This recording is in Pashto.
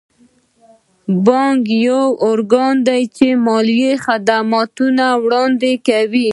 بانک یو ارګان دی چې مالي خدمتونه وړاندې کوي.